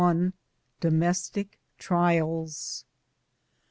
DOMESTIC TRIALS.